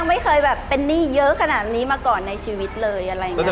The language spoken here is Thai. ไม่เคยแบบเป็นหนี้เยอะขนาดนี้มาก่อนในชีวิตเลยอะไรอย่างนี้